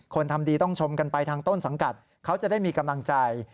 ทำดีต้องชมกันไปทางต้นสังกัดเขาจะได้มีกำลังใจ